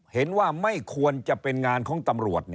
เห็นว่าไม่ควรจะเป็นงานของตำรวจ